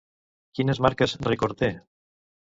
Quines marques rècord té?